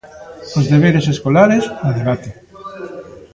'Os deberes escolares, a debate'.